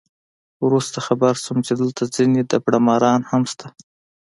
وروسته خبر شوم چې دلته ځینې دبړه ماران هم شته.